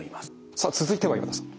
さあ続いては岩田さん。